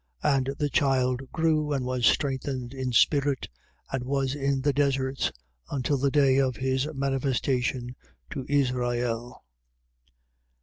1:80. And the child grew and was strengthened in spirit: and was in the deserts until the day of his manifestation to Israel.